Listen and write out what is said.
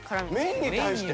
麺に対して？